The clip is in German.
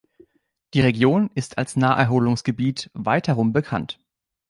Die Region ist als Naherholungsgebiet weitherum bekannt.